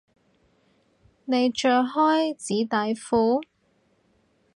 你着開紙底褲？